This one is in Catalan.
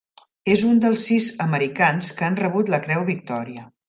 És un dels sis americans que han rebut la Creu Victòria.